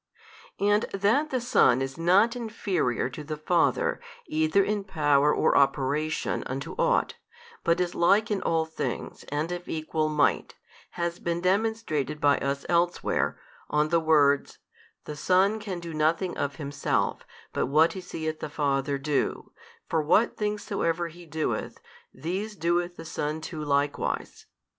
And that the Son is not inferior to the Father either in Power or Operation unto ought, but is Like in all things and of Equal Might, has been demonstrated by us elsewhere, on the words, The Son can do nothing of Himself but what He seeth the Father do: for what things soever He doeth, these doeth the Son too likewise.